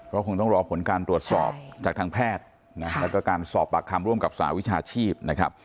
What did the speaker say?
ก็คงต้องรอผลการตรวจสอบจากทางแพทย์แล้วก็การสอบปากคำร่วมกับสหวิชาชีพนะครับ